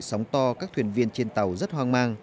sóng to các thuyền viên trên tàu rất hoang mang